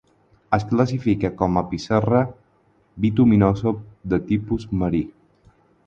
Es classifica com a pissarra bituminosa de tipus marí.